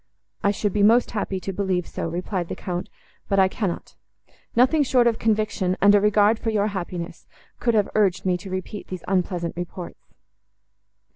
—"I should be most happy to believe so," replied the Count, "but I cannot. Nothing short of conviction, and a regard for your happiness, could have urged me to repeat these unpleasant reports."